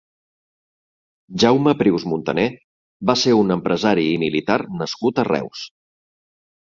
Jaume Prius Montaner va ser un empresari i militar nascut a Reus.